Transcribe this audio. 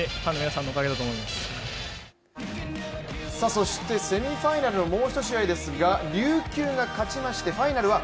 そしてセミファイナルのもう一試合ですが琉球が勝ちまして、ファイナルは。